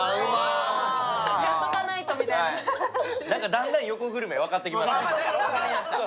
だんだん横グルメ分かってきました。